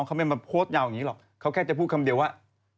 แต่ผมก็อยากจะถามนะว่า